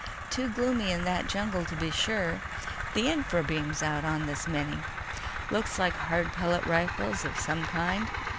"Too gloomy in that jungle to be sure. The infra beam's out on this mini. Looks like hard pellet rifles of some kind.